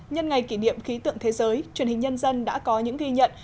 nhân ngày kỷ niệm khí tượng thế giới truyền hình nhân dân đã có những ghi nhận